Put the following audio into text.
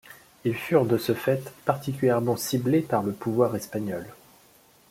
Ils furent de ce fait particulièrement ciblés par le pouvoir espagnol.